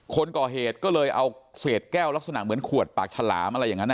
คนก่อเหตุก็เลยเอาเศษแก้วลักษณะเหมือนขวดปากฉลามอะไรอย่างนั้น